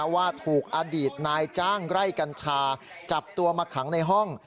ว่าถูกอดีตนายจ้างไร่กัญชาจับตัวมาขังในห้อง